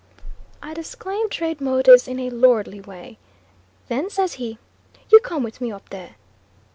I disclaimed trade motives in a lordly way. Then says he, "You come with me up there."